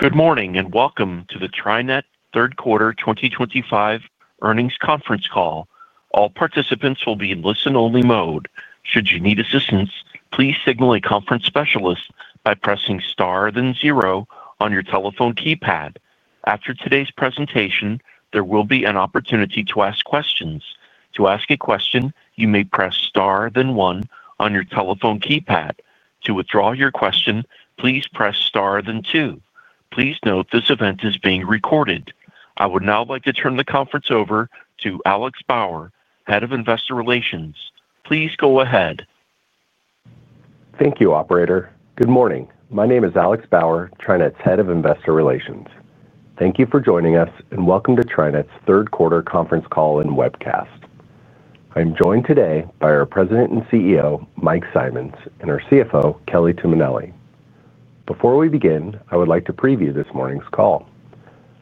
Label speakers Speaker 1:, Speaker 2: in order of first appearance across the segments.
Speaker 1: Good morning and welcome to the TriNet Third Quarter 2025 Earnings Conference Call. All participants will be in listen-only mode. Should you need assistance, please signal a conference specialist by pressing star, then zero, on your telephone keypad. After today's presentation, there will be an opportunity to ask questions. To ask a question, you may press star, then one, on your telephone keypad. To withdraw your question, please press star, then two. Please note this event is being recorded. I would now like to turn the conference over to Alex Bauer, Head of Investor Relations. Please go ahead.
Speaker 2: Thank you, Operator. Good morning. My name is Alex Bauer, TriNet's Head of Investor Relations. Thank you for joining us, and welcome to TriNet's Third Quarter Conference Call and Webcast. I am joined today by our President and CEO, Mike Simonds, and our CFO, Kelly Tuminelli. Before we begin, I would like to preview this morning's call.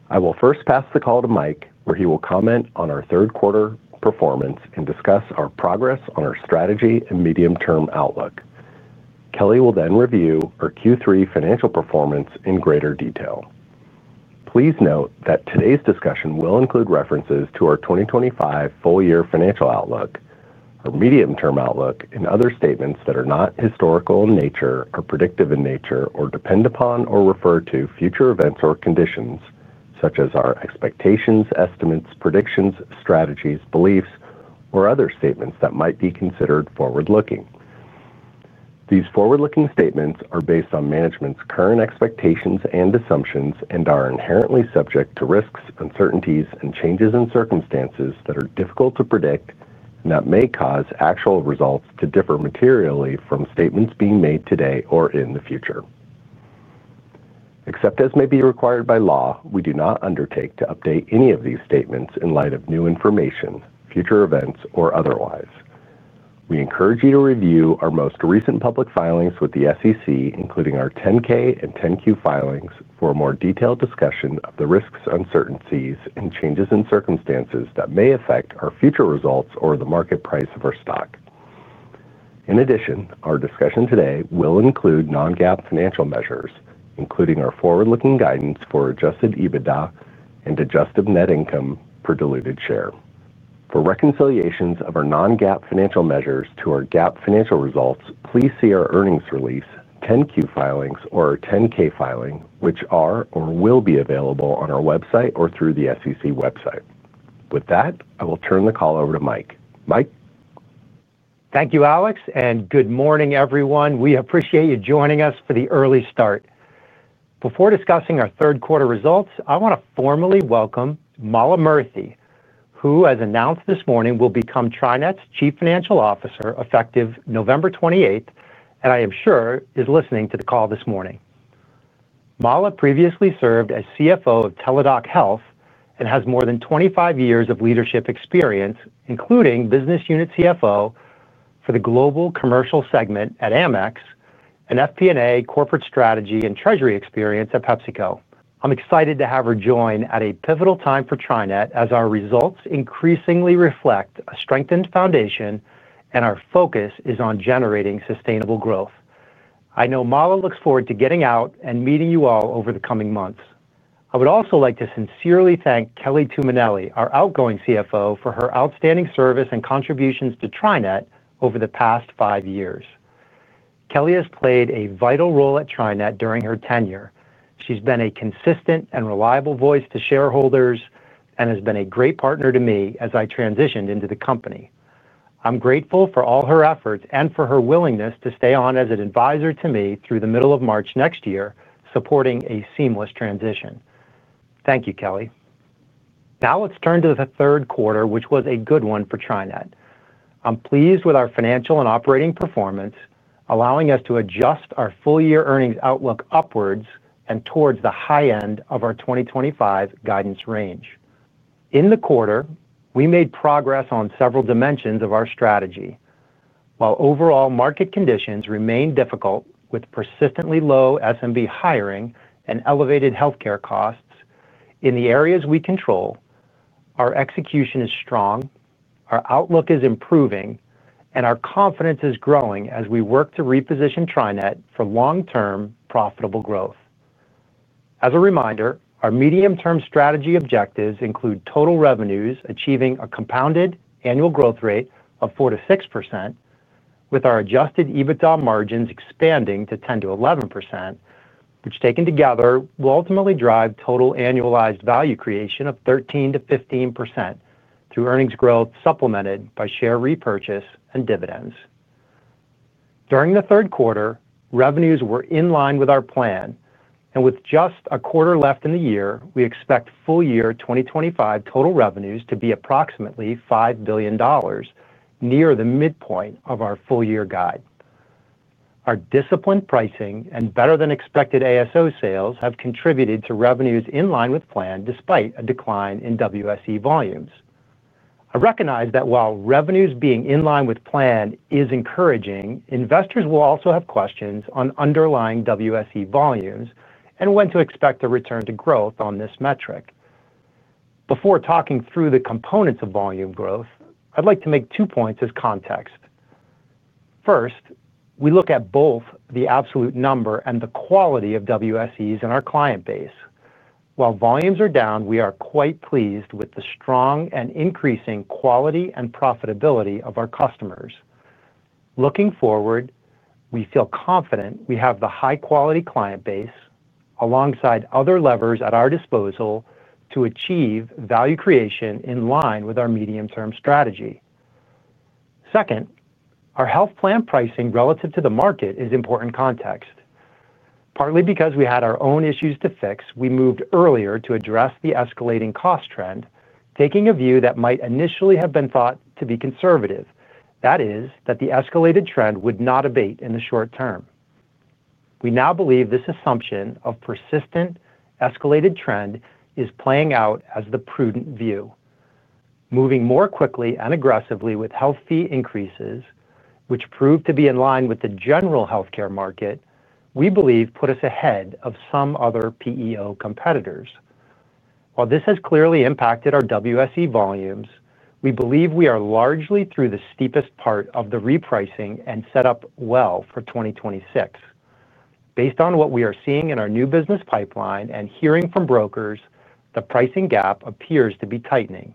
Speaker 2: I will first pass the call to Mike, where he will comment on our third quarter performance and discuss our progress on our strategy and medium-term outlook. Kelly will then review our Q3 financial performance in greater detail. Please note that today's discussion will include references to our 2025 full-year financial outlook, our medium-term outlook, and other statements that are not historical in nature, are predictive in nature, or depend upon or refer to future events or conditions, such as our expectations, estimates, predictions, strategies, beliefs, or other statements that might be considered forward-looking. These forward-looking statements are based on management's current expectations and assumptions and are inherently subject to risks, uncertainties, and changes in circumstances that are difficult to predict and that may cause actual results to differ materially from statements being made today or in the future. Except as may be required by law, we do not undertake to update any of these statements in light of new information, future events, or otherwise. We encourage you to review our most recent public filings with the SEC, including our 10-K and 10-Q filings, for a more detailed discussion of the risks, uncertainties, and changes in circumstances that may affect our future results or the market price of our stock. In addition, our discussion today will include non-GAAP financial measures, including our forward-looking guidance for adjusted EBITDA and adjusted net income per diluted share. For reconciliations of our non-GAAP financial measures to our GAAP financial results, please see our earnings release, 10-Q filings, or our 10-K filing, which are or will be available on our website or through the SEC website. With that, I will turn the call over to Mike. Mike?
Speaker 3: Thank you, Alex, and good morning, everyone. We appreciate you joining us for the early start. Before discussing our third quarter results, I want to formally welcome Mala Murthy, who, as announced this morning, will become TriNet's Chief Financial Officer effective November 28, and I am sure is listening to the call this morning. Mala previously served as CFO of Teladoc Health and has more than 25 years of leadership experience, including Business Unit CFO for the global commercial segment at American Express, and FP&A, corporate strategy, and treasury experience at PepsiCo. I'm excited to have her join at a pivotal time for TriNet as our results increasingly reflect a strengthened foundation, and our focus is on generating sustainable growth. I know Mala looks forward to getting out and meeting you all over the coming months. I would also like to sincerely thank Kelly Tuminelli, our outgoing CFO, for her outstanding service and contributions to TriNet over the past five years. Kelly has played a vital role at TriNet during her tenure. She's been a consistent and reliable voice to shareholders and has been a great partner to me as I transitioned into the company. I'm grateful for all her efforts and for her willingness to stay on as an advisor to me through the middle of March next year, supporting a seamless transition. Thank you, Kelly. Now let's turn to the third quarter, which was a good one for TriNet. I'm pleased with our financial and operating performance, allowing us to adjust our full-year earnings outlook upwards and towards the high end of our 2025 guidance range. In the quarter, we made progress on several dimensions of our strategy. While overall market conditions remain difficult, with persistently low SMB hiring and elevated healthcare costs, in the areas we control, our execution is strong, our outlook is improving, and our confidence is growing as we work to reposition TriNet for long-term profitable growth. As a reminder, our medium-term strategy objectives include total revenues achieving a compounded annual growth rate of 4%-6%, with our adjusted EBITDA margins expanding to 10%-11%, which taken together will ultimately drive total annualized value creation of 13%-15% through earnings growth supplemented by share repurchase and dividends. During the third quarter, revenues were in line with our plan, and with just a quarter left in the year, we expect full-year 2025 total revenues to be approximately $5 billion, near the midpoint of our full-year guide. Our disciplined pricing and better-than-expected ASO sales have contributed to revenues in line with plan despite a decline in WSE volumes. I recognize that while revenues being in line with plan is encouraging, investors will also have questions on underlying WSE volumes and when to expect a return to growth on this metric. Before talking through the components of volume growth, I'd like to make two points as context. First, we look at both the absolute number and the quality of WSEs in our client base. While volumes are down, we are quite pleased with the strong and increasing quality and profitability of our customers. Looking forward, we feel confident we have the high-quality client base, alongside other levers at our disposal to achieve value creation in line with our medium-term strategy. Second, our health plan pricing relative to the market is important context. Partly because we had our own issues to fix, we moved earlier to address the escalating cost trend, taking a view that might initially have been thought to be conservative, that is, that the escalated trend would not abate in the short term. We now believe this assumption of persistent escalated trend is playing out as the prudent view. Moving more quickly and aggressively with health fee increases, which proved to be in line with the general healthcare market, we believe put us ahead of some other PEO competitors. While this has clearly impacted our WSE volumes, we believe we are largely through the steepest part of the repricing and set up well for 2026. Based on what we are seeing in our new business pipeline and hearing from brokers, the pricing gap appears to be tightening.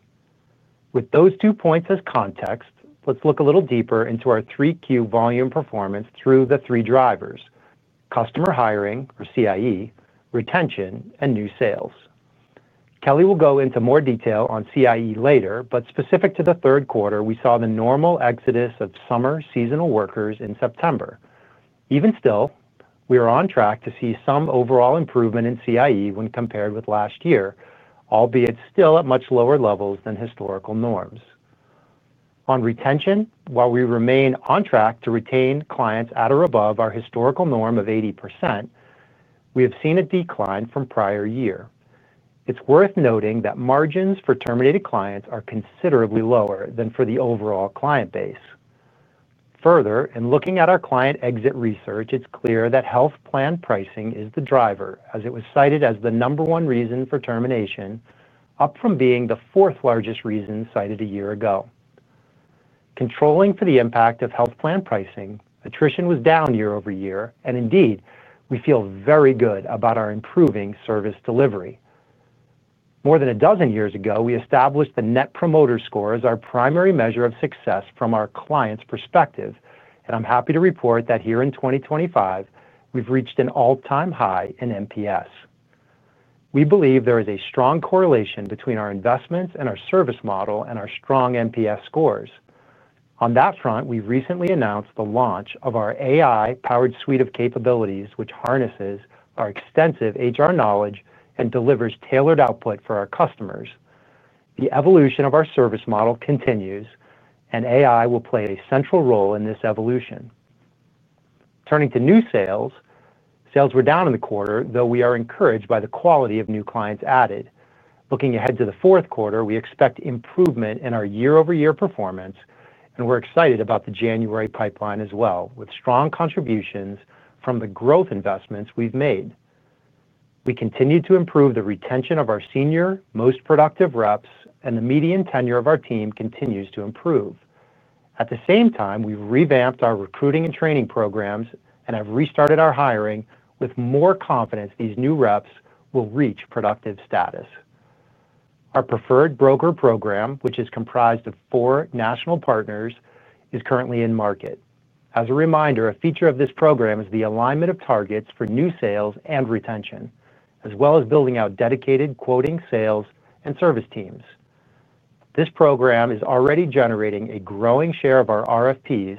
Speaker 3: With those two points as context, let's look a little deeper into our 3Q volume performance through the three drivers: customer hiring, or CIE, retention, and new sales. Kelly will go into more detail on CIE later, but specific to the third quarter, we saw the normal exodus of summer seasonal workers in September. Even still, we are on track to see some overall improvement in CIE when compared with last year, albeit still at much lower levels than historical norms. On retention, while we remain on track to retain clients at or above our historical norm of 80%, we have seen a decline from prior year. It's worth noting that margins for terminated clients are considerably lower than for the overall client base. Further, in looking at our client exit research, it's clear that health plan pricing is the driver, as it was cited as the number one reason for termination, up from being the fourth largest reason cited a year ago. Controlling for the impact of health plan pricing, attrition was down year over year, and indeed, we feel very good about our improving service delivery. More than a dozen years ago, we established the Net Promoter Score as our primary measure of success from our clients' perspective, and I'm happy to report that here in 2025, we've reached an all-time high in NPS. We believe there is a strong correlation between our investments and our service model and our strong NPS scores. On that front, we recently announced the launch of our AI-powered HR suite of capabilities, which harnesses our extensive HR knowledge and delivers tailored output for our customers. The evolution of our service model continues, and AI will play a central role in this evolution. Turning to new sales, sales were down in the quarter, though we are encouraged by the quality of new clients added. Looking ahead to the fourth quarter, we expect improvement in our year-over-year performance, and we're excited about the January pipeline as well, with strong contributions from the growth investments we've made. We continue to improve the retention of our senior, most productive reps, and the median tenure of our team continues to improve. At the same time, we've revamped our recruiting and training programs and have restarted our hiring with more confidence these new reps will reach productive status. Our preferred broker program, which is comprised of four national partners, is currently in market. As a reminder, a feature of this program is the alignment of targets for new sales and retention, as well as building out dedicated quoting, sales, and service teams. This program is already generating a growing share of our broker-driven RFPs,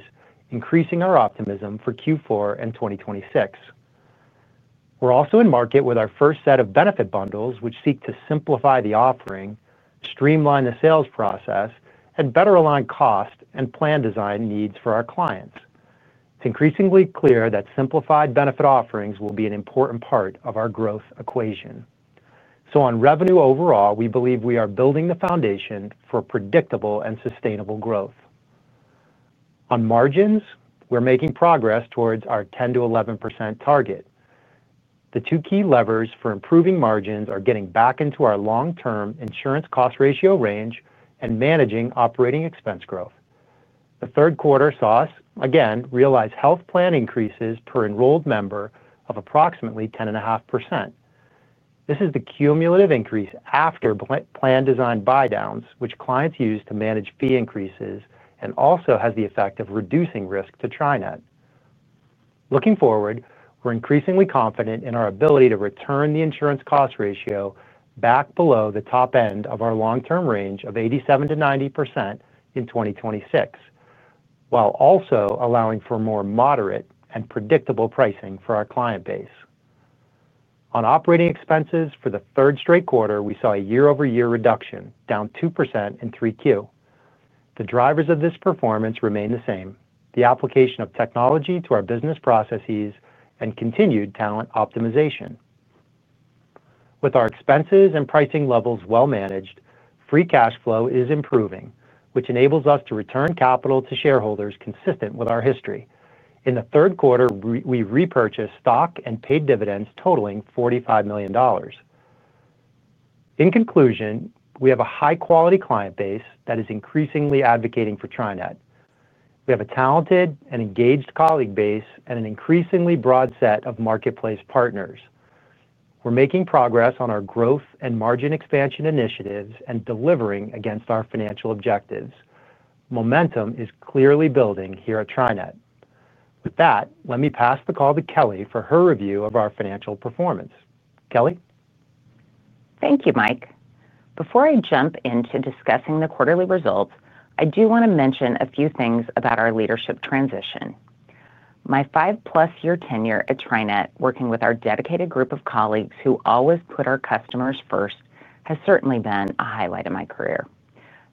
Speaker 3: increasing our optimism for Q4 and 2026. We're also in market with our first set of benefit bundles, which seek to simplify the offering, streamline the sales process, and better align cost and plan design needs for our clients. It's increasingly clear that simplified benefit offerings will be an important part of our growth equation. On revenue overall, we believe we are building the foundation for predictable and sustainable growth. On margins, we're making progress towards our 10%-11% target. The two key levers for improving margins are getting back into our long-term insurance cost ratio range and managing operating expense growth. The third quarter saw us, again, realize health plan increases per enrolled member of approximately 10.5%. This is the cumulative increase after plan design buy-downs, which clients use to manage fee increases and also has the effect of reducing risk to TriNet. Looking forward, we're increasingly confident in our ability to return the insurance cost ratio back below the top end of our long-term range of 87%-90% in 2026, while also allowing for more moderate and predictable pricing for our client base. On operating expenses for the third straight quarter, we saw a year-over-year reduction, down 2% in 3Q. The drivers of this performance remain the same: the application of technology to our business processes and continued talent optimization. With our expenses and pricing levels well managed, free cash flow is improving, which enables us to return capital to shareholders consistent with our history. In the third quarter, we repurchased stock and paid dividends totaling $45 million. In conclusion, we have a high-quality client base that is increasingly advocating for TriNet. We have a talented and engaged colleague base and an increasingly broad set of marketplace partners. We're making progress on our growth and margin expansion initiatives and delivering against our financial objectives. Momentum is clearly building here at TriNet. With that, let me pass the call to Kelly for her review of our financial performance. Kelly?
Speaker 4: Thank you, Mike. Before I jump into discussing the quarterly results, I do want to mention a few things about our leadership transition. My five-plus-year tenure at TriNet, working with our dedicated group of colleagues who always put our customers first, has certainly been a highlight of my career.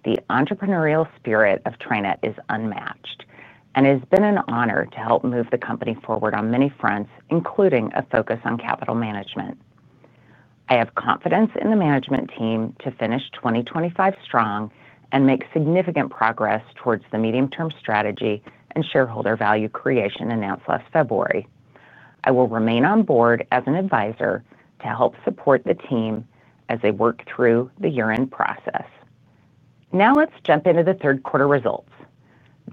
Speaker 4: The entrepreneurial spirit of TriNet is unmatched, and it has been an honor to help move the company forward on many fronts, including a focus on capital management. I have confidence in the management team to finish 2025 strong and make significant progress towards the medium-term strategy and shareholder value creation announced last February. I will remain on board as an advisor to help support the team as they work through the year-end process. Now let's jump into the third quarter results.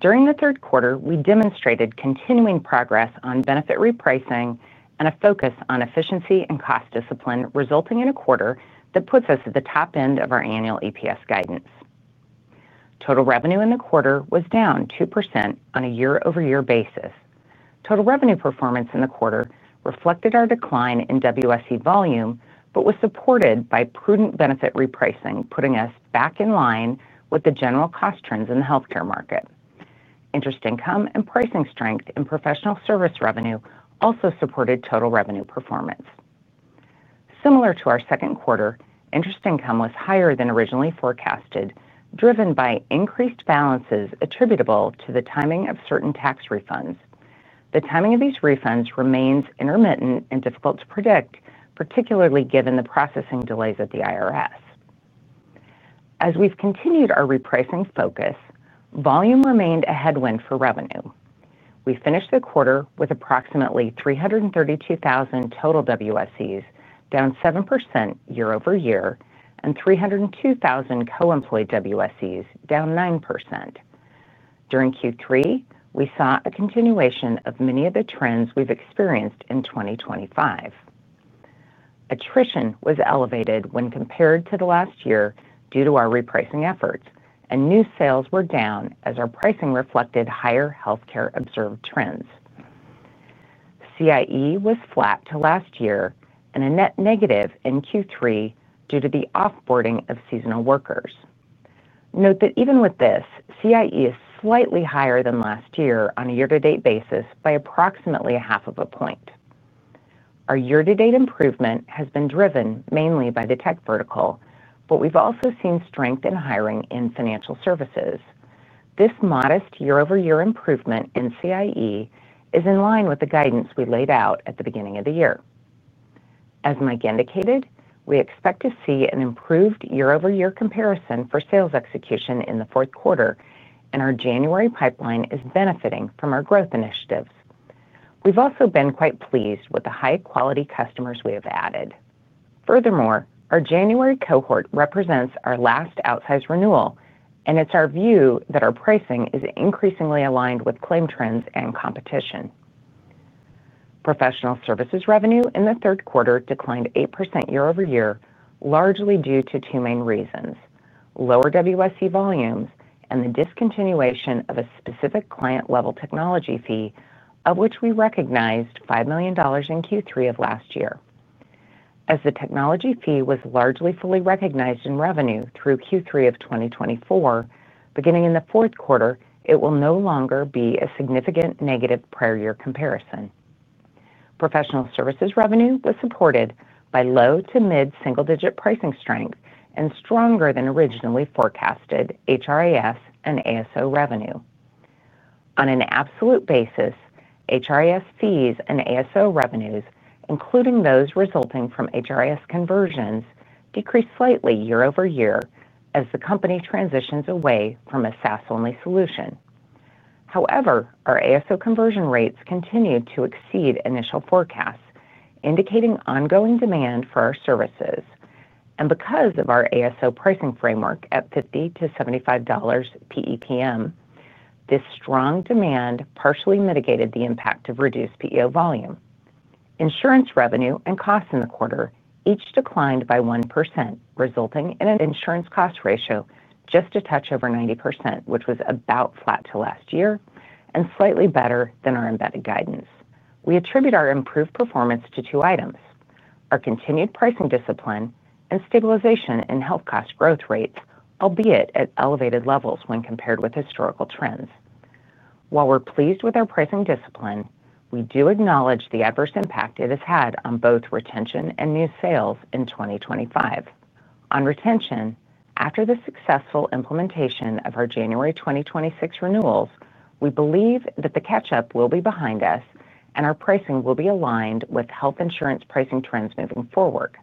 Speaker 4: During the third quarter, we demonstrated continuing progress on benefit repricing and a focus on efficiency and cost discipline, resulting in a quarter that puts us at the top end of our annual EPS guidance. Total revenue in the quarter was down 2% on a year-over-year basis. Total revenue performance in the quarter reflected our decline in WSE volume, but was supported by prudent benefit repricing, putting us back in line with the general cost trends in the healthcare market. Interest income and pricing strength in professional service revenue also supported total revenue performance. Similar to our second quarter, interest income was higher than originally forecasted, driven by increased balances attributable to the timing of certain tax refunds. The timing of these refunds remains intermittent and difficult to predict, particularly given the processing delays at the IRS. As we've continued our repricing focus, volume remained a headwind for revenue. We finished the quarter with approximately 332,000 total WSEs, down 7% year-over-year, and 302,000 co-employed WSEs, down 9%. During Q3, we saw a continuation of many of the trends we've experienced in 2025. Attrition was elevated when compared to the last year due to our repricing efforts, and new sales were down as our pricing reflected higher healthcare observed trends. CIE was flat to last year and a net negative in Q3 due to the offboarding of seasonal workers. Note that even with this, CIE is slightly higher than last year on a year-to-date basis by approximately a half of a point. Our year-to-date improvement has been driven mainly by the tech vertical, but we've also seen strength in hiring in financial services. This modest year-over-year improvement in CIE is in line with the guidance we laid out at the beginning of the year. As Mike indicated, we expect to see an improved year-over-year comparison for sales execution in the fourth quarter, and our January pipeline is benefiting from our growth initiatives. We've also been quite pleased with the high-quality customers we have added. Furthermore, our January cohort represents our last outsized renewal, and it's our view that our pricing is increasingly aligned with claim trends and competition. Professional services revenue in the third quarter declined 8% year-over-year, largely due to two main reasons: lower WSE volumes and the discontinuation of a specific client-level technology fee, of which we recognized $5 million in Q3 of last year. As the technology fee was largely fully recognized in revenue through Q3 of 2024, beginning in the fourth quarter, it will no longer be a significant negative prior-year comparison. Professional services revenue was supported by low to mid-single-digit pricing strength and stronger than originally forecasted HRIS and ASO revenue. On an absolute basis, HRIS fees and ASO revenues, including those resulting from HRIS conversions, decreased slightly year over year as the company transitions away from a SaaS-only solution. However, our ASO conversion rates continued to exceed initial forecasts, indicating ongoing demand for our services. Because of our ASO pricing framework at $50-$75 PEPM, this strong demand partially mitigated the impact of reduced PEO volume. Insurance revenue and costs in the quarter each declined by 1%, resulting in an insurance cost ratio just a touch over 90%, which was about flat to last year and slightly better than our embedded guidance. We attribute our improved performance to two items: our continued pricing discipline and stabilization in health cost growth rates, albeit at elevated levels when compared with historical trends. While we're pleased with our pricing discipline, we do acknowledge the adverse impact it has had on both retention and new sales in 2025. On retention, after the successful implementation of our January 2026 renewals, we believe that the catch-up will be behind us and our pricing will be aligned with health insurance pricing trends moving forward.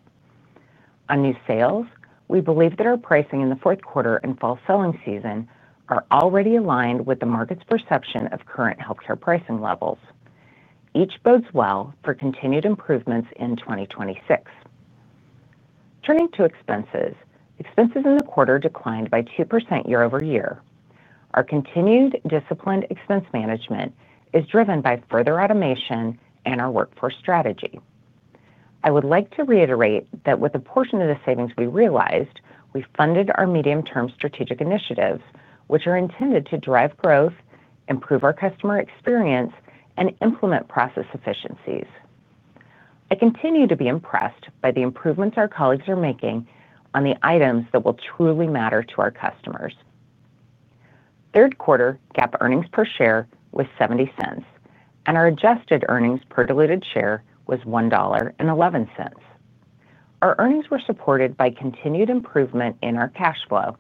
Speaker 4: On new sales, we believe that our pricing in the fourth quarter and fall selling season are already aligned with the market's perception of current healthcare pricing levels. Each bodes well for continued improvements in 2026. Turning to expenses, expenses in the quarter declined by 2% year-over-year. Our continued disciplined expense management is driven by further automation and our workforce strategy. I would like to reiterate that with a portion of the savings we realized, we funded our medium-term strategic initiatives, which are intended to drive growth, improve our customer experience, and implement process efficiencies. I continue to be impressed by the improvements our colleagues are making on the items that will truly matter to our customers. Third quarter GAAP earnings per share was $0.70, and our adjusted earnings per diluted share was $1.11. Our earnings were supported by continued improvement in our cash flow.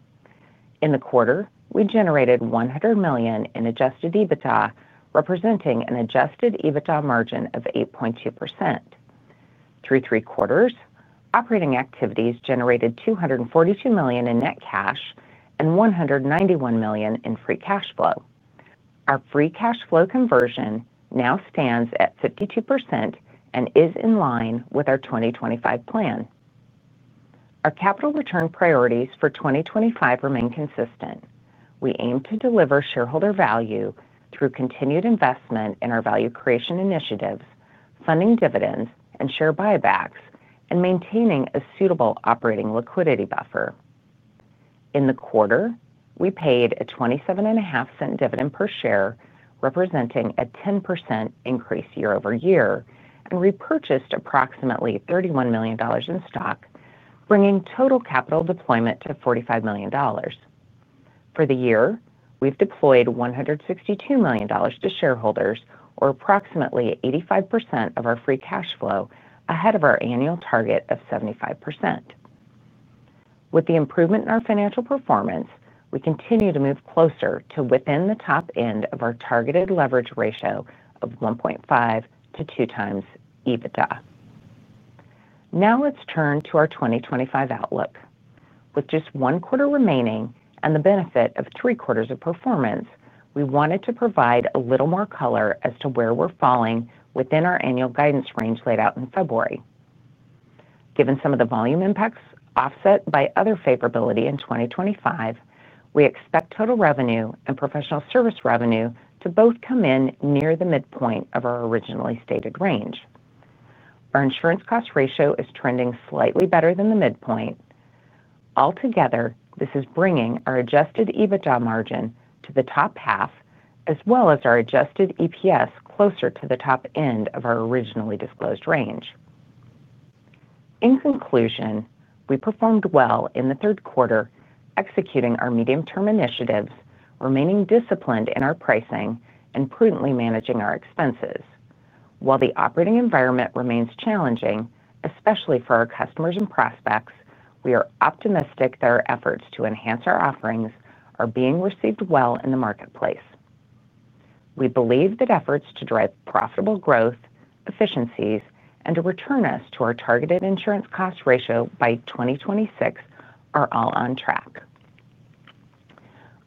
Speaker 4: In the quarter, we generated $100 million in adjusted EBITDA, representing an adjusted EBITDA margin of 8.2%. Through three quarters, operating activities generated $242 million in net cash and $191 million in free cash flow. Our free cash flow conversion now stands at 52% and is in line with our 2025 plan. Our capital return priorities for 2025 remain consistent. We aim to deliver shareholder value through continued investment in our value creation initiatives, funding dividends and share buybacks, and maintaining a suitable operating liquidity buffer. In the quarter, we paid a $27.50 dividend per share, representing a 10% increase year-over-year, and repurchased approximately $31 million in stock, bringing total capital deployment to $45 million. For the year, we've deployed $162 million to shareholders, or approximately 85% of our free cash flow, ahead of our annual target of 75%. With the improvement in our financial performance, we continue to move closer to within the top end of our targeted leverage ratio of 1.5 to two times EBITDA. Now let's turn to our 2025 outlook. With just one quarter remaining and the benefit of three quarters of performance, we wanted to provide a little more color as to where we're falling within our annual guidance range laid out in February. Given some of the volume impacts offset by other favorability in 2025, we expect total revenue and professional service revenue to both come in near the midpoint of our originally stated range. Our insurance cost ratio is trending slightly better than the midpoint. Altogether, this is bringing our adjusted EBITDA margin to the top half, as well as our adjusted EPS closer to the top end of our originally disclosed range. In conclusion, we performed well in the third quarter, executing our medium-term initiatives, remaining disciplined in our pricing, and prudently managing our expenses. While the operating environment remains challenging, especially for our customers and prospects, we are optimistic that our efforts to enhance our offerings are being received well in the marketplace. We believe that efforts to drive profitable growth, efficiencies, and to return us to our targeted insurance cost ratio by 2026 are all on track.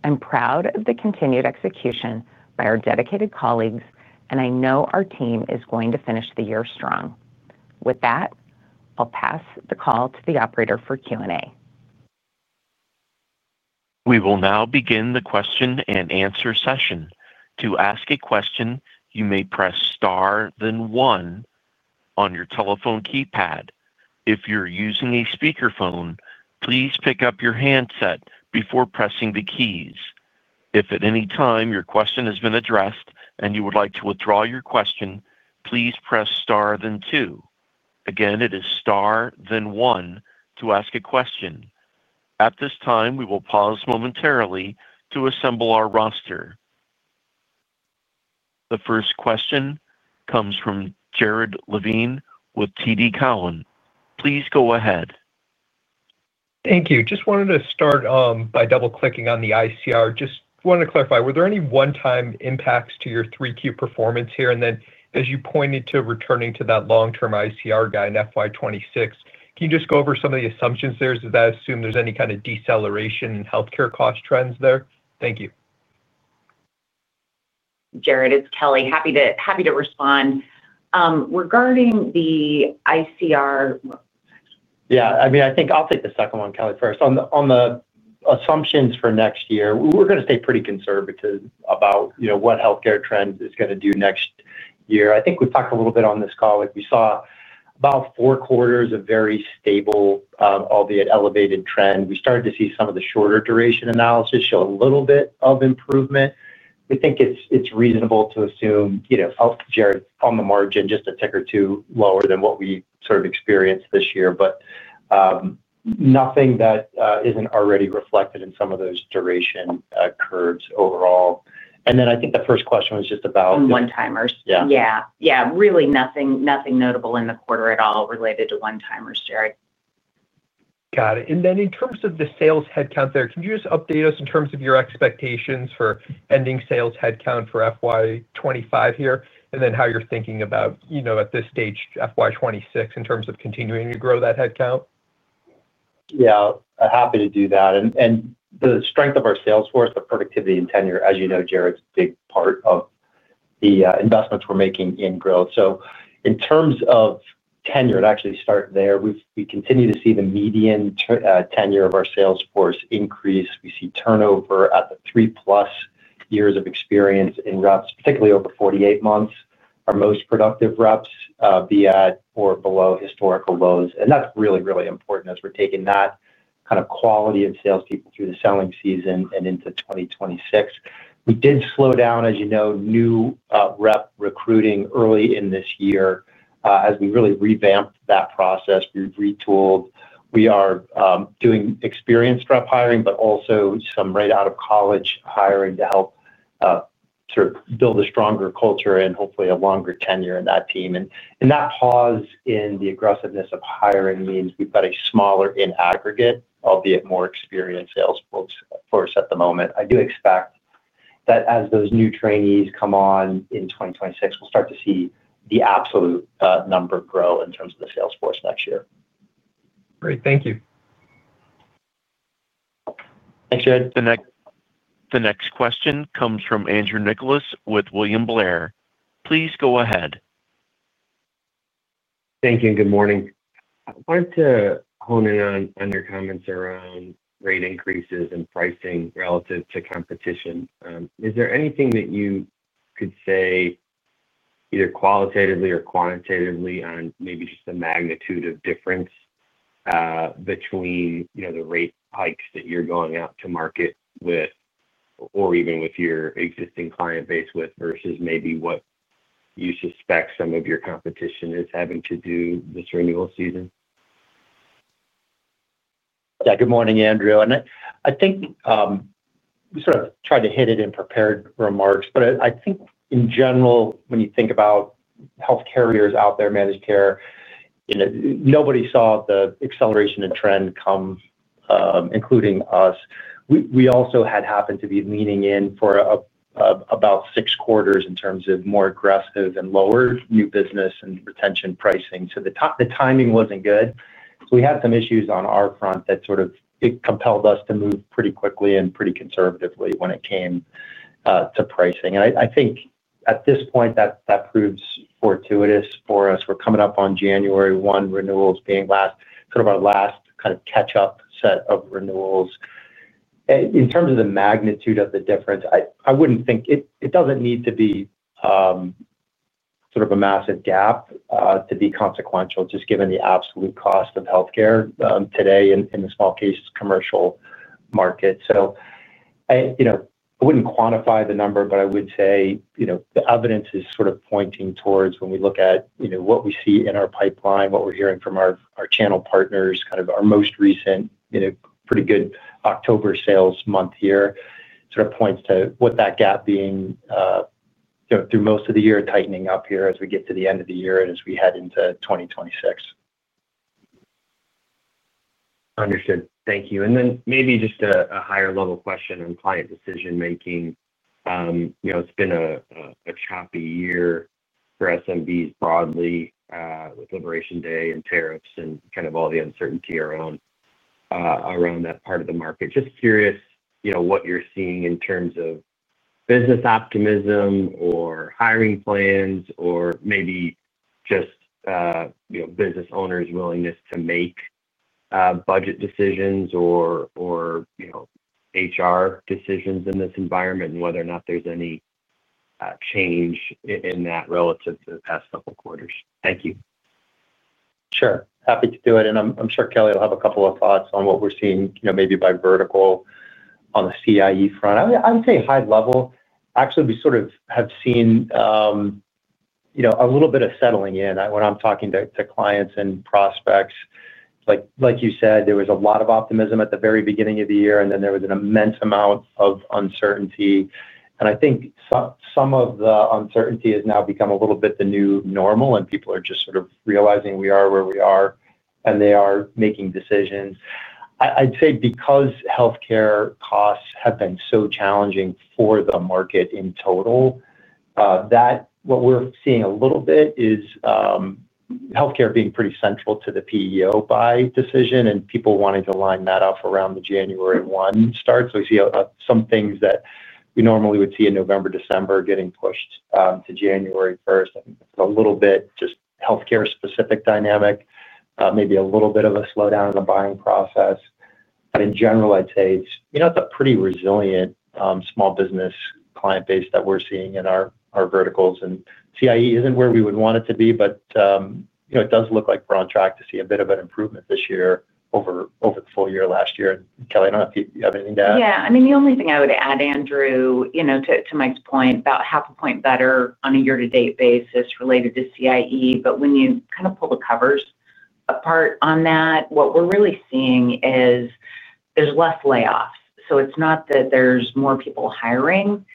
Speaker 4: I'm proud of the continued execution by our dedicated colleagues, and I know our team is going to finish the year strong. With that, I'll pass the call to the Operator for Q&A.
Speaker 1: We will now begin the question and answer session. To ask a question, you may press star, then one on your telephone keypad. If you're using a speakerphone, please pick up your handset before pressing the keys. If at any time your question has been addressed and you would like to withdraw your question, please press star, then two. Again, it is star, then one to ask a question. At this time, we will pause momentarily to assemble our roster. The first question comes from Jared Levine with Cowen. Please go ahead.
Speaker 5: Thank you. Just wanted to start by double-clicking on the insurance cost ratio. Just wanted to clarify, were there any one-time impacts to your 3Q performance here? As you pointed to returning to that long-term insurance cost ratio guide in FY2026, can you just go over some of the assumptions there? Does that assume there's any kind of deceleration in healthcare cost trends there? Thank you.
Speaker 4: Jared, it's Kelly. Happy to respond. Regarding the ICR...
Speaker 3: Yeah, I mean, I think I'll take the second one, Kelly, first. On the assumptions for next year, we're going to stay pretty conservative about what healthcare trends are going to do next year. I think we've talked a little bit on this call. Like we saw about four quarters of very stable, albeit elevated trend. We started to see some of the shorter duration analysis show a little bit of improvement. We think it's reasonable to assume, you know, Jared, on the margin, just a tick or two lower than what we sort of experienced this year, but nothing that isn't already reflected in some of those duration curves overall. I think the first question was just about...
Speaker 4: The one-timers.
Speaker 3: Yeah.
Speaker 4: Yeah, really nothing notable in the quarter at all related to one-timers, Jared.
Speaker 5: Got it. In terms of the sales headcount there, can you just update us in terms of your expectations for ending sales headcount for FY2025 here? In terms of how you're thinking about, you know, at this stage, FY2026, in terms of continuing to grow that headcount?
Speaker 3: Yeah, happy to do that. The strength of our salesforce, the productivity and tenure, as you know, Jared, is a big part of the investments we're making in growth. In terms of tenure, I'd actually start there. We continue to see the median tenure of our salesforce increase. We see turnover at the three-plus years of experience in reps, particularly over 48 months. Our most productive reps be at or below historical lows. That's really, really important as we're taking that kind of quality of salespeople through the selling season and into 2026. We did slow down, as you know, new rep recruiting early in this year as we really revamped that process. We retooled. We are doing experienced rep hiring, but also some right out of college hiring to help sort of build a stronger culture and hopefully a longer tenure in that team. That pause in the aggressiveness of hiring means we've got a smaller in aggregate, albeit more experienced salesforce at the moment. I do expect that as those new trainees come on in 2026, we'll start to see the absolute number grow in terms of the salesforce next year. Great, thank you.
Speaker 4: Thanks, Jared.
Speaker 1: The next question comes from Andrew Nicholas with William Blair. Please go ahead.
Speaker 6: Thank you and good morning. I wanted to hone in on your comments around rate increases and pricing relative to competition. Is there anything that you could say either qualitatively or quantitatively on maybe just the magnitude of difference between the rate hikes that you're going out to market with or even with your existing client base versus maybe what you suspect some of your competition is having to do this renewal season?
Speaker 3: Good morning, Andrew. I think we sort of tried to hit it in prepared remarks, but I think in general, when you think about healthcare years out there, managed care, nobody saw the acceleration in trend come, including us. We also had happened to be leaning in for about six quarters in terms of more aggressive and lower new business and retention pricing. The timing wasn't good. We had some issues on our front that sort of compelled us to move pretty quickly and pretty conservatively when it came to pricing. I think at this point, that proves fortuitous for us. We're coming up on January 1, renewals being our last kind of catch-up set of renewals. In terms of the magnitude of the difference, I wouldn't think it needs to be a massive gap to be consequential, just given the absolute cost of healthcare today in the small case commercial market. I wouldn't quantify the number, but I would say the evidence is pointing towards, when we look at what we see in our pipeline, what we're hearing from our channel partners, our most recent pretty good October sales month here, it points to that gap being, through most of the year, tightening up here as we get to the end of the year and as we head into 2026.
Speaker 6: Understood. Thank you. Maybe just a higher-level question on client decision-making. It's been a choppy year for SMBs broadly with Liberation Day and tariffs and all the uncertainty around that part of the market. Just curious what you're seeing in terms of business optimism or hiring plans or maybe just business owners' willingness to make budget decisions or HR decisions in this environment and whether or not there's any change in that relative to the past couple of quarters. Thank you.
Speaker 3: Sure. Happy to do it. I'm sure Kelly will have a couple of thoughts on what we're seeing, maybe by vertical on the CIE front. I would say high level, actually, we have seen a little bit of settling in when I'm talking to clients and prospects. Like you said, there was a lot of optimism at the very beginning of the year, and then there was an immense amount of uncertainty. I think some of the uncertainty has now become a little bit the new normal, and people are just realizing we are where we are, and they are making decisions. I'd say because healthcare costs have been so challenging for the market in total, what we're seeing a little bit is healthcare being pretty central to the PEO buy decision and people wanting to line that up around the January 1st start. We see some things that we normally would see in November, December getting pushed to January 1st. I think it's a little bit just healthcare-specific dynamic, maybe a little bit of a slowdown in the buying process. In general, I'd say it's a pretty resilient small business client base that we're seeing in our verticals. CIE isn't where we would want it to be, but it does look like we're on track to see a bit of an improvement this year over the full year last year. Kelly, I don't know if you have anything to add.
Speaker 4: Yeah, I mean, the only thing I would add, Andrew, you know, to Mike's point, about half a point better on a year-to-date basis related to CIE, but when you kind of pull the covers apart on that, what we're really seeing is there's less layoffs. It's not that there's more people hiring,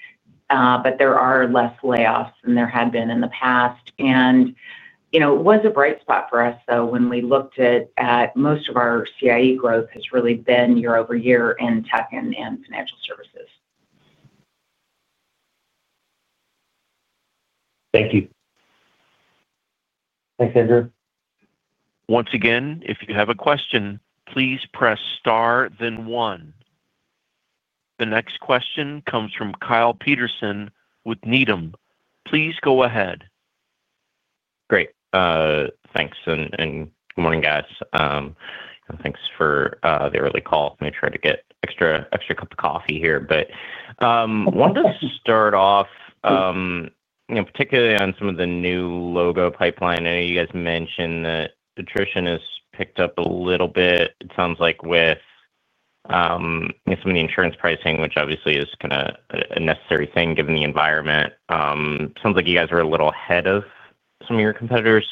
Speaker 4: but there are less layoffs than there had been in the past. It was a bright spot for us, though, when we looked at most of our CIE growth has really been year over year in tech and financial services.
Speaker 6: Thank you.
Speaker 3: Thanks, Andrew.
Speaker 1: Once again, if you have a question, please press star, then one. The next question comes from Kyle Peterson with Needham. Please go ahead.
Speaker 7: Great. Thanks. Good morning, guys. Thanks for the early call. Let me try to get an extra cup of coffee here. I wanted to start off particularly on some of the new logo pipeline. I know you guys mentioned that attrition has picked up a little bit, it sounds like, with some of the insurance pricing, which obviously is kind of a necessary thing given the environment. It sounds like you guys were a little ahead of some of your competitors.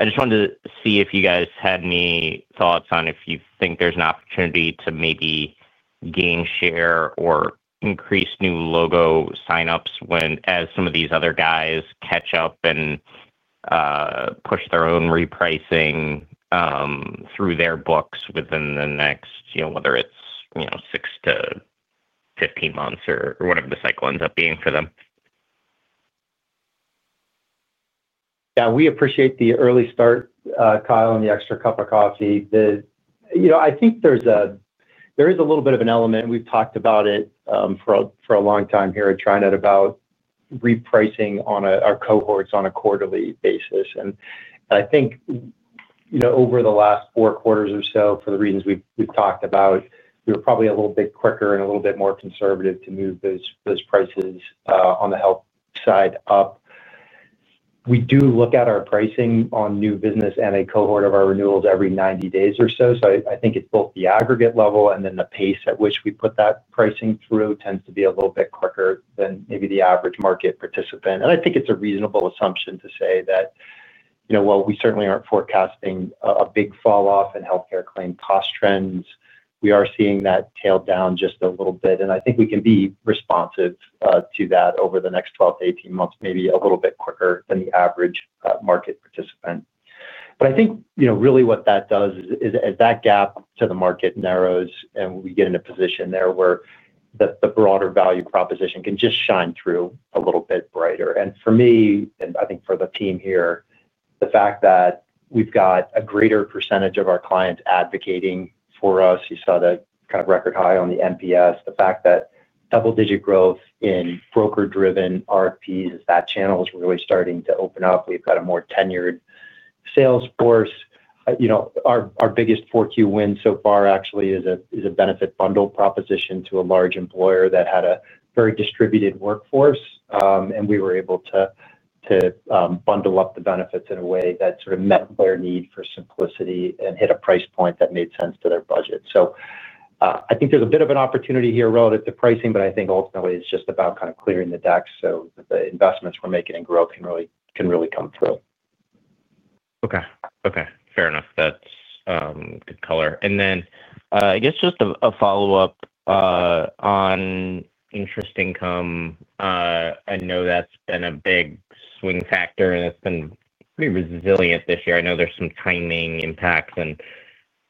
Speaker 7: I just wanted to see if you guys had any thoughts on if you think there's an opportunity to maybe gain share or increase new logo signups when some of these other guys catch up and push their own repricing through their books within the next, you know, whether it's 6-15 months or whatever the cycle ends up being for them.
Speaker 3: Yeah, we appreciate the early start, Kyle, and the extra cup of coffee. I think there is a little bit of an element, and we've talked about it for a long time here at TriNet about repricing on our cohorts on a quarterly basis. I think over the last four quarters or so, for the reasons we've talked about, we were probably a little bit quicker and a little bit more conservative to move those prices on the health side up. We do look at our pricing on new business and a cohort of our renewals every 90 days or so. I think it's both the aggregate level and then the pace at which we put that pricing through tends to be a little bit quicker than maybe the average market participant. I think it's a reasonable assumption to say that, while we certainly aren't forecasting a big falloff in healthcare claim cost trends, we are seeing that tail down just a little bit. I think we can be responsive to that over the next 12-18 months, maybe a little bit quicker than the average market participant. I think really what that does is as that gap to the market narrows and we get in a position there where the broader value proposition can just shine through a little bit brighter. For me, and I think for the team here, the fact that we've got a greater percentage of our clients advocating for us, you saw the kind of record high on the Net Promoter Scores, the fact that double-digit growth in broker-driven RFPs is that channel is really starting to open up. We've got a more tenured salesforce. Our biggest 4Q win so far actually is a benefit bundle proposition to a large employer that had a very distributed workforce. We were able to bundle up the benefits in a way that sort of met their need for simplicity and hit a price point that made sense to their budget. I think there's a bit of an opportunity here relative to pricing, but I think ultimately it's just about kind of clearing the deck so that the investments we're making in growth can really come through.
Speaker 7: Okay. Fair enough. That's good color. I guess just a follow-up on interest income. I know that's been a big swing factor and it's been pretty resilient this year. I know there's some timing impacts and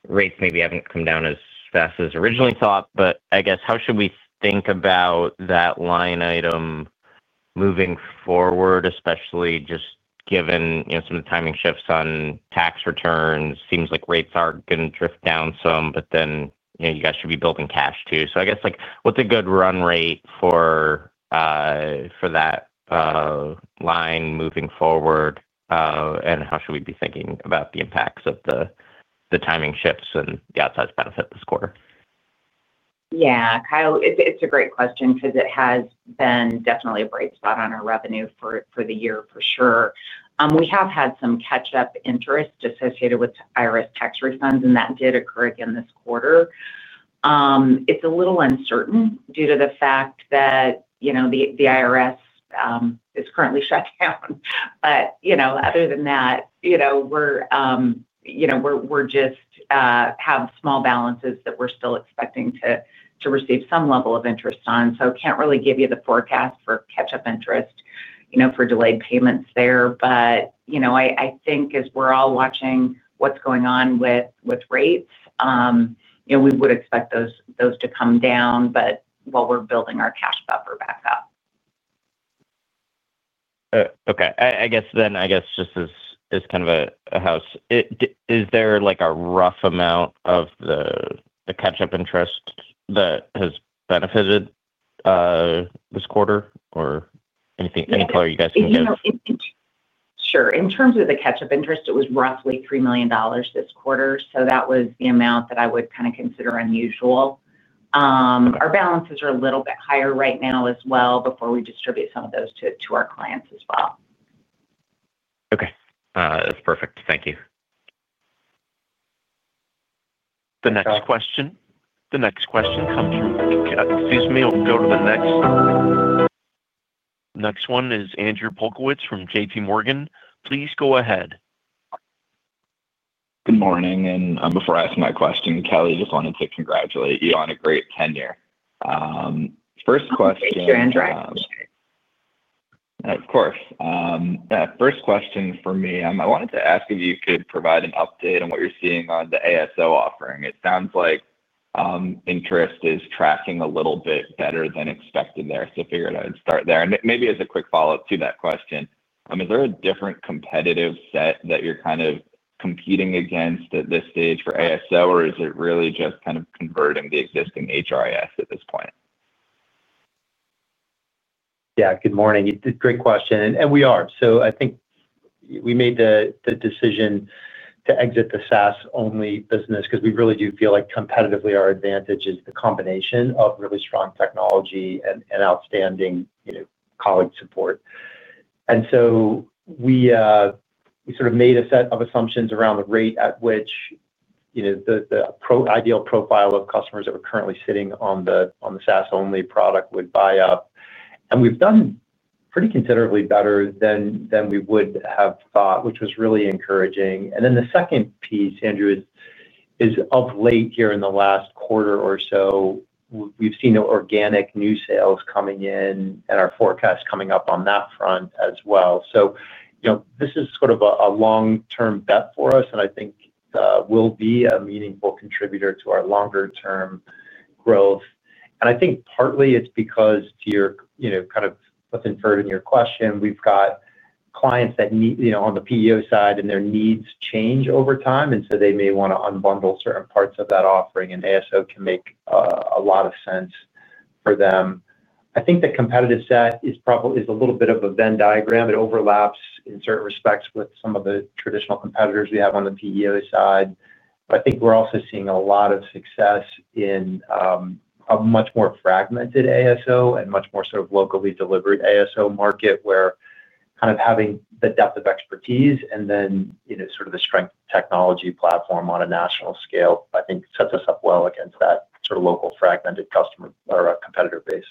Speaker 7: rates maybe haven't come down as fast as originally thought. I guess how should we think about that line item moving forward, especially just given some of the timing shifts on tax returns? Seems like rates are going to drift down some, but you guys should be building cash too. I guess what's a good run rate for that line moving forward, and how should we be thinking about the impacts of the timing shifts and the outsized benefit this quarter?
Speaker 4: Yeah, Kyle, it's a great question because it has been definitely a bright spot on our revenue for the year for sure. We have had some catch-up interest associated with IRS tax refunds, and that did occur again this quarter. It's a little uncertain due to the fact that the IRS is currently shut down. Other than that, we're just have small balances that we're still expecting to receive some level of interest on. I can't really give you the forecast for catch-up interest for delayed payments there. I think as we're all watching what's going on with rates, we would expect those to come down, but while we're building our cash buffer back up.
Speaker 7: Okay. Is there like a rough amount of the catch-up interest that has benefited this quarter or anything, any color you guys can give?
Speaker 4: Sure. In terms of the catch-up interest, it was roughly $3 million this quarter. That was the amount that I would kind of consider unusual. Our balances are a little bit higher right now as well before we distribute some of those to our clients as well.
Speaker 7: Okay, that's perfect. Thank you.
Speaker 1: The next question comes from Andrew Polkowitz from JPMorgan. Please go ahead.
Speaker 8: Good morning. Before asking that question, Kelly, I just wanted to congratulate you on a great tenure. First question.
Speaker 4: Thanks, Andrew.
Speaker 8: Of course. First question for me, I wanted to ask if you could provide an update on what you're seeing on the Administrative Services Organization (ASO) offering. It sounds like interest is tracking a little bit better than expected there. I figured I'd start there. Maybe as a quick follow-up to that question, is there a different competitive set that you're kind of competing against at this stage for ASO, or is it really just kind of converting the existing Human Resources Information System (HRIS) at this point?
Speaker 3: Yeah, good morning. It's a great question. We are. I think we made the decision to exit the SaaS-only business because we really do feel like competitively our advantage is the combination of really strong technology and outstanding colleague support. We sort of made a set of assumptions around the rate at which the ideal profile of customers that were currently sitting on the SaaS-only product would buy up. We've done pretty considerably better than we would have thought, which was really encouraging. The second piece, Andrew, is of late here in the last quarter or so, we've seen organic new sales coming in and our forecast coming up on that front as well. This is sort of a long-term bet for us, and I think will be a meaningful contributor to our longer-term growth. I think partly it's because, to your, you know, kind of what's inferred in your question, we've got clients that need, you know, on the PEO side, and their needs change over time. They may want to unbundle certain parts of that offering, and ASO can make a lot of sense for them. I think the competitive set is probably a little bit of a Venn diagram. It overlaps in certain respects with some of the traditional competitors we have on the PEO side. We're also seeing a lot of success in a much more fragmented ASO and much more sort of locally delivered ASO market where kind of having the depth of expertise and then, you know, sort of the strength of technology platform on a national scale, I think sets us up well against that sort of local fragmented customer or a competitor base.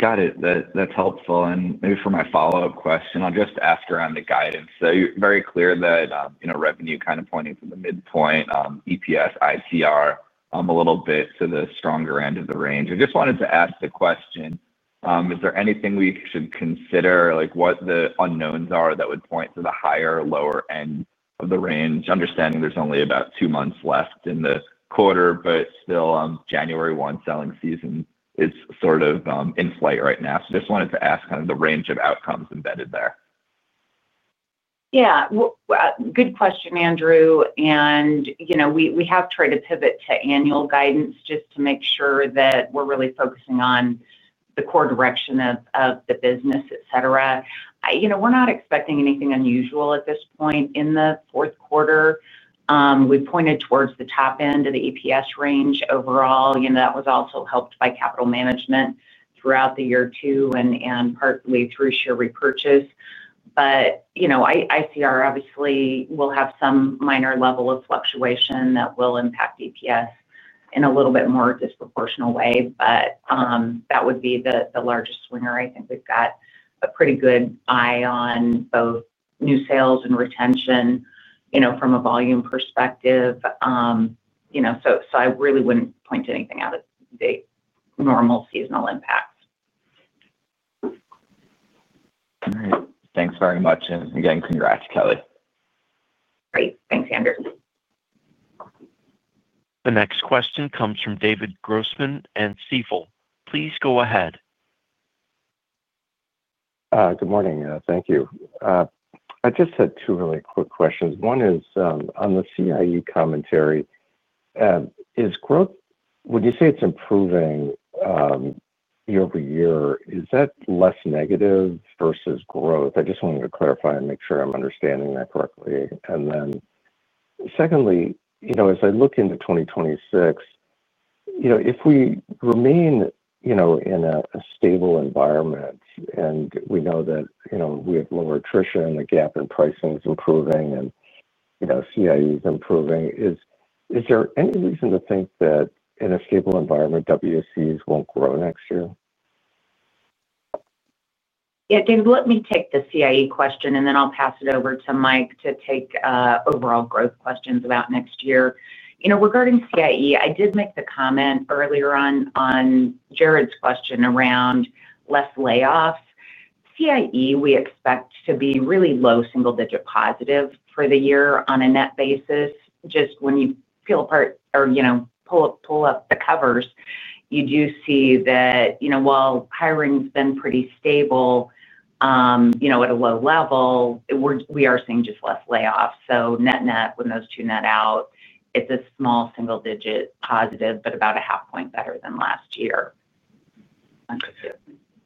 Speaker 8: Got it. That's helpful. For my follow-up question, I'll just ask around the guidance. You're very clear that, you know, revenue kind of pointing to the midpoint, EPS, ITR, a little bit to the stronger end of the range. I just wanted to ask the question, is there anything we should consider, like what the unknowns are that would point to the higher or lower end of the range, understanding there's only about two months left in the quarter, but still January 1 selling season is sort of in flight right now? I just wanted to ask kind of the range of outcomes embedded there.
Speaker 4: Yeah, good question, Andrew. We have tried to pivot to annual guidance just to make sure that we're really focusing on the core direction of the business, etc. We're not expecting anything unusual at this point in the fourth quarter. We pointed towards the top end of the EPS range overall. That was also helped by capital management throughout the year too and partly through share repurchase. ICR obviously will have some minor level of fluctuation that will impact EPS in a little bit more disproportional way. That would be the largest swinger. I think we've got a pretty good eye on both new sales and retention from a volume perspective. I really wouldn't point to anything out of the normal seasonal impacts.
Speaker 8: All right. Thanks very much. Again, congrats, Kelly.
Speaker 4: Great. Thanks, Andrew.
Speaker 1: The next question comes from David Grossman and Stifel. Please go ahead.
Speaker 9: Good morning. Thank you. I just had two really quick questions. One is on the CIE commentary. Is growth, when you say it's improving year over year, is that less negative versus growth? I just wanted to clarify and make sure I'm understanding that correctly. Secondly, as I look into 2026, if we remain in a stable environment and we know that we have lower attrition, the gap in pricing is improving, and CIE is improving, is there any reason to think that in a stable environment WSEs won't grow next year?
Speaker 4: Yeah, David, let me take the CIE question, and then I'll pass it over to Mike to take overall growth questions about next year. Regarding CIE, I did make the comment earlier on Jared's question around less layoffs. CIE, we expect to be really low single-digit positive for the year on a net basis. When you peel apart or pull up the covers, you do see that while hiring's been pretty stable at a low level, we are seeing just less layoffs. Net-net, when those two net out, it's a small single-digit positive, but about a half point better than last year.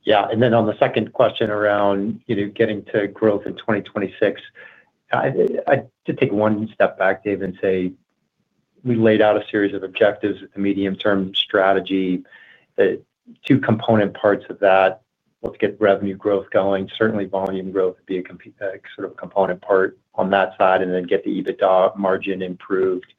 Speaker 3: Yeah. On the second question around getting to growth in 2026, I did take one step back, David, and say we laid out a series of objectives, a medium-term strategy, two component parts of that. Let's get revenue growth going. Certainly, volume growth would be a sort of component part on that side, and then get the EBITDA margin improved.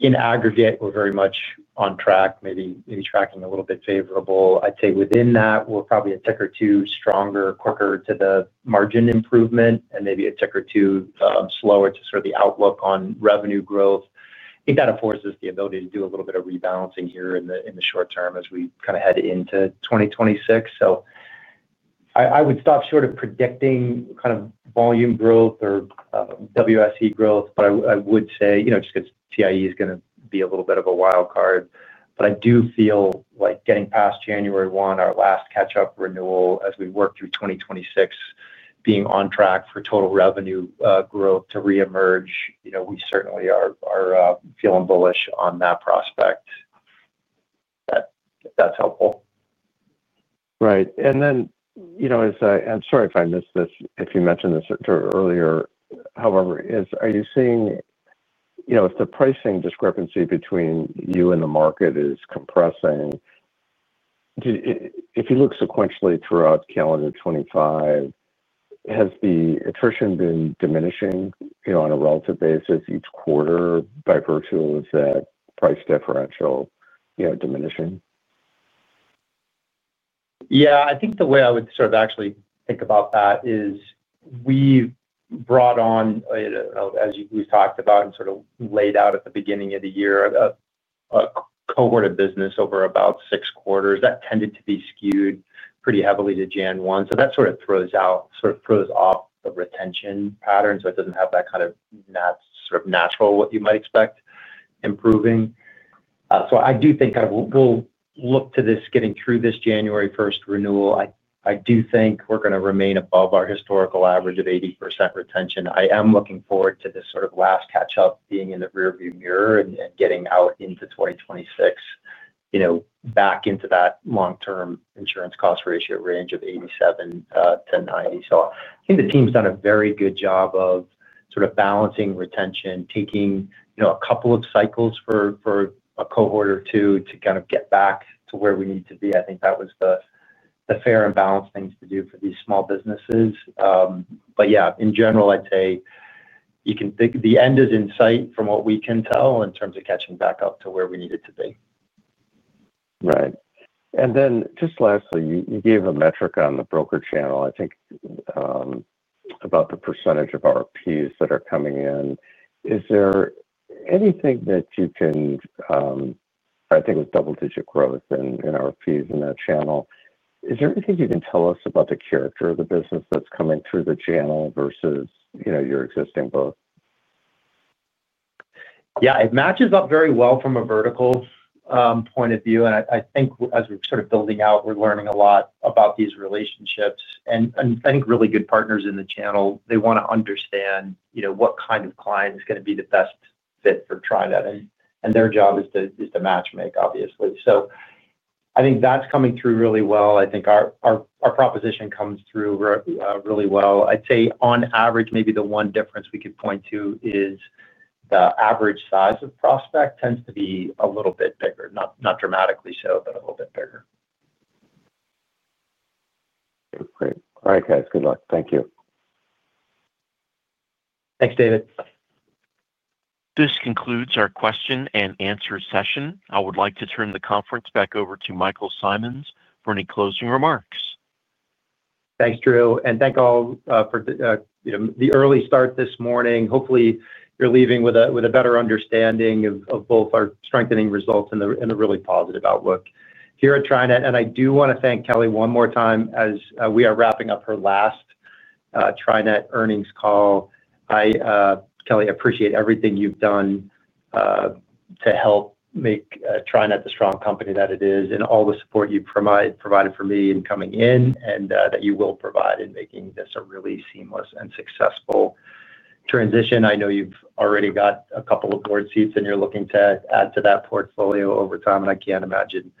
Speaker 3: In aggregate, we're very much on track, maybe tracking a little bit favorable. I'd say within that, we're probably a tick or two stronger, quicker to the margin improvement, and maybe a tick or two slower to sort of the outlook on revenue growth. I think that affords us the ability to do a little bit of rebalancing here in the short term as we kind of head into 2026. I would stop short of predicting kind of volume growth or WSE growth, but I would say just because CIE is going to be a little bit of a wild card. I do feel like getting past January 1, our last catch-up renewal, as we work through 2026, being on track for total revenue growth to reemerge, we certainly are feeling bullish on that prospect.
Speaker 9: That's helpful. Right. I'm sorry if I missed this, if you mentioned this earlier. However, are you seeing if the pricing discrepancy between you and the market is compressing? If you look sequentially throughout calendar 2025, has the attrition been diminishing on a relative basis each quarter by virtue of that price differential diminishing?
Speaker 3: Yeah, I think the way I would actually think about that is we brought on, as we've talked about and laid out at the beginning of the year, a cohort of business over about six quarters that tended to be skewed pretty heavily to January 1. That throws off the retention pattern, so it doesn't have that kind of natural what you might expect improving. I do think we'll look to this getting through this January 1 renewal. I do think we're going to remain above our historical average of 80% retention. I am looking forward to this last catch-up being in the rearview mirror and getting out into 2026, back into that long-term insurance cost ratio range of 87%-90%. I think the team's done a very good job of balancing retention, taking a couple of cycles for a cohort or two to get back to where we need to be. I think that was the fair and balanced thing to do for these small businesses. In general, I'd say you can think the end is in sight from what we can tell in terms of catching back up to where we need it to be.
Speaker 9: Right. Lastly, you gave a metric on the broker channel, I think, about the percentage of RFPs that are coming in. Is there anything that you can, or I think it was double-digit growth in RFPs in that channel. Is there anything you can tell us about the character of the business that's coming through the channel versus your existing book?
Speaker 3: Yeah, it matches up very well from a vertical point of view. I think as we're sort of building out, we're learning a lot about these relationships. I think really good partners in the channel want to understand, you know, what kind of client is going to be the best fit for TriNet. Their job is to matchmake, obviously. I think that's coming through really well. I think our proposition comes through really well. I'd say on average, maybe the one difference we could point to is the average size of prospect tends to be a little bit bigger, not dramatically so, but a little bit bigger.
Speaker 9: Okay, great. All right, guys, good luck. Thank you.
Speaker 3: Thanks, David.
Speaker 1: This concludes our question and answer session. I would like to turn the conference back over to Mike Simonds for any closing remarks.
Speaker 3: Thanks, Drew. Thank you all for the early start this morning. Hopefully, you're leaving with a better understanding of both our strengthening results and a really positive outlook here at TriNet. I do want to thank Kelly one more time as we are wrapping up her last TriNet earnings call. I, Kelly, appreciate everything you've done to help make TriNet the strong company that it is and all the support you provided for me in coming in and that you will provide in making this a really seamless and successful transition. I know you've already got a couple of board seats and you're looking to add to that portfolio over time. I can't imagine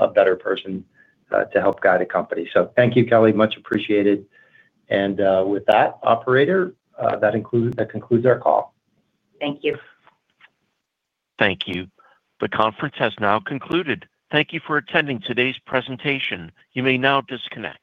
Speaker 3: a better person to help guide a company. Thank you, Kelly. Much appreciated. With that, Operator, that concludes our call.
Speaker 4: Thank you.
Speaker 1: Thank you. The conference has now concluded. Thank you for attending today's presentation. You may now disconnect.